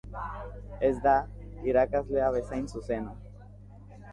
Ez da irakaslea bezain zuzena.